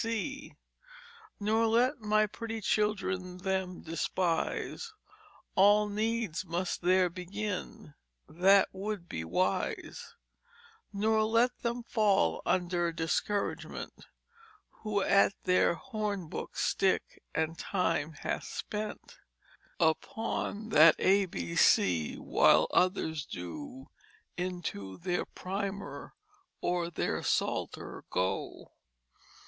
B. C. Nor let my pretty Children them despise. All needs must there begin, that would be wise, Nor let them fall under Discouragement, Who at their Hornbook stick, and time hath spent, Upon that A. B. C, while others do Into their Primer or their Psalter go.